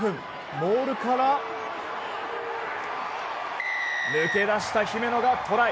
モールから抜け出した姫野がトライ。